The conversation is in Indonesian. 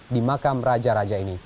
di makam raja raja ini